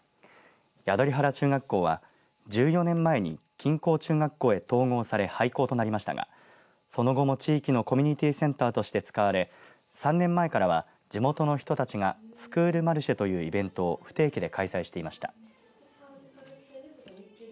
宿利原中学校は１４年前に錦江中学校に統合され廃校となりましたがその後も地域のコミュニティーセンターとして使われ３年前からは、地元の人たちがスクールマルシェというイベントを不定期で開催していました。